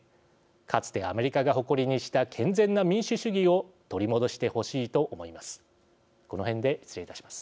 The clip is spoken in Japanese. かつてアメリカが誇りにした健全な民主主義を取り戻してほしいと思います。